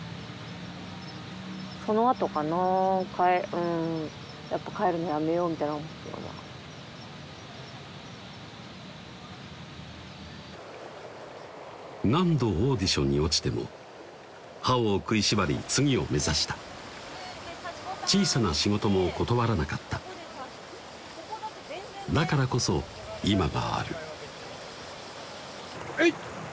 うんやっぱ帰るのやめようみたいなの思ったのは何度オーディションに落ちても歯を食いしばり次を目指した小さな仕事も断らなかっただからこそ今があるはい！